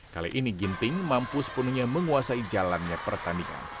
kali ini ginting mampus penuhnya menguasai jalannya pertandingan